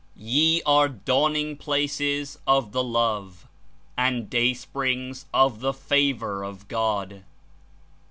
Ye are dawning places of the Love and day springs of the Favor of God.